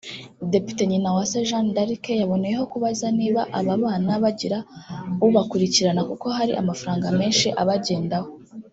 Depite Nyinawase Jeanne d’Arc yaboneyeho kubaza niba aba bana bagira ubakurikirana kuko hari amafaraga menshi abagendaho